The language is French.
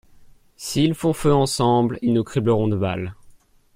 S'ils font feu ensemble, ils nous cribleront de balles.